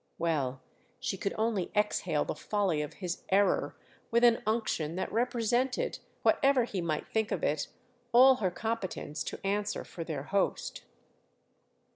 Well, she could only exhale the folly of his error with an unction that represented, whatever he might think of it, all her competence to answer for their host.